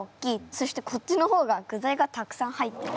そしてこっちの方が具材がたくさん入ってる。